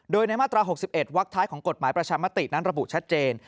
โดยในมาตรา๖๑วักท้ายของกฎหมายประชามตินั้นระบุชัดเจน